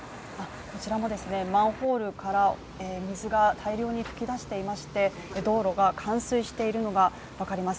こちらもマンホールから水が大量に噴き出していまして道路が冠水しているのが分かります。